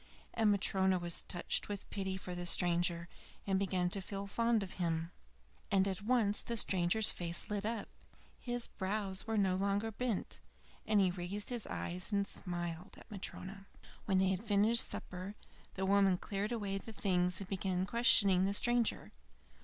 And Matryona was touched with pity for the stranger, and began to feel fond of him. And at once the stranger's face lit up; his brows were no longer bent, he raised his eyes and smiled at Matryona. When they had finished supper, the woman cleared away the things and began questioning the stranger.